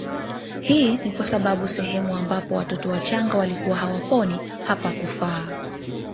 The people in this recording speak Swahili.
Hii ni kwa sababu sehemu ambapo watoto wachanga walikuwa hawaponi hapakufaa